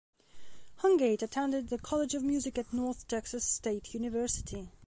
Hungate attended the College of Music at North Texas State University.